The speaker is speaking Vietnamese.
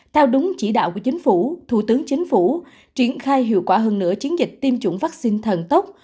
theo đúng chỉ đạo của chính phủ thủ tướng chính phủ triển khai hiệu quả hơn nữa chiến dịch tiêm chủng vaccine thần tốc